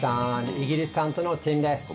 イギリス担当のティムです。